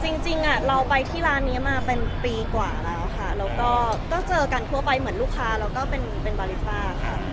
จริงเราไปที่ร้านนี้มาเป็นปีกว่าแล้วค่ะแล้วก็เจอกันทั่วไปเหมือนลูกค้าแล้วก็เป็นบาริซ่าค่ะ